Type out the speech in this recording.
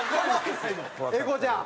英孝ちゃん。